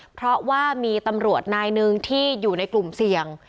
เพราะว่ามีตำรวจนายหนึ่งที่อยู่ในกลุ่มเสี่ยง